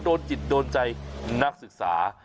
โดนจิตโดนใจนักศึกษา